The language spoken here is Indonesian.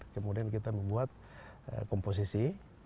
kemudian kita membuat komposisi